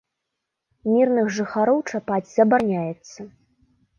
Мірных жыхароў чапаць забараняецца.